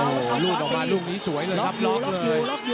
โอ้โหรูดออกมาลูกนี้สวยเลยครับล็อกเลย